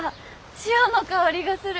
潮の香りがする。